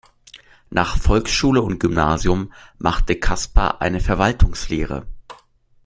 Nach Volksschule und Gymnasium machte Kasper eine Verwaltungslehre.